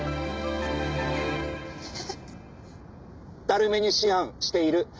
だるめに思案している。